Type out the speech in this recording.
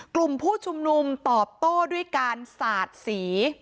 กลุ่มผู้ชุมนุมตอบโต้ด้วยการสาดสี